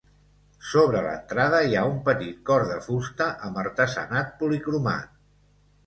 Sobre l'entrada hi ha un petit cor de fusta amb artesanat policromat.